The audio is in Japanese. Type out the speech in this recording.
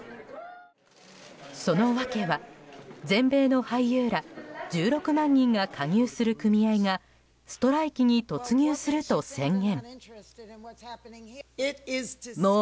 そのわけは全米の俳優ら１６万人が加入する組合がストライキに突入すると宣言。